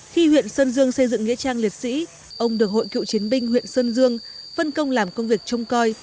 khi huyện sơn dương xây dựng nghĩa trang liệt sĩ ông được hội cựu chiến binh huyện sơn dương phân công làm công việc trông coi